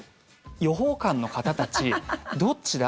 予報官の方たち、どっちだ？